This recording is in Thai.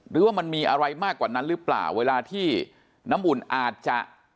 หรือว่ามันมีอะไรมากกว่านั้นหรือเปล่าเวลาที่น้ำอุ่นอาจจะ